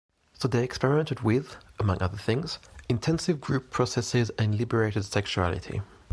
So they experimented with, among other things, intensive group processes and liberated sexuality.